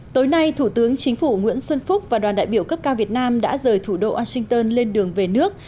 tối nay thủ tướng chính phủ nguyễn xuân phúc và đoàn đại biểu cấp cao việt nam đã rời thủ đô washington lên đường về nước